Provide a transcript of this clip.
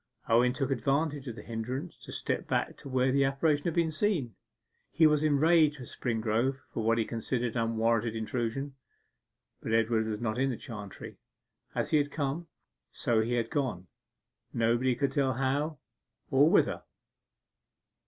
Owen took advantage of the hindrance to step back to where the apparition had been seen. He was enraged with Springrove for what he considered an unwarrantable intrusion. But Edward was not in the chantry. As he had come, so he had gone, nobody could tell how or whither.